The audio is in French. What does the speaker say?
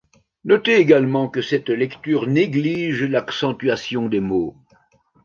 Noter également que cette lecture néglige l'accentuation des mots.